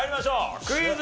クイズ。